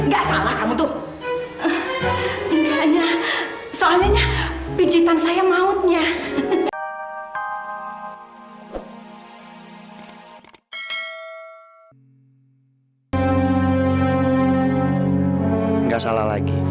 gak salah lagi